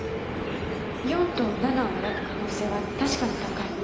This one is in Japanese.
４と７を選ぶ可能性は確かに高い。